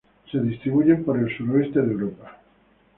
Se distribuyen por el suroeste de Europa.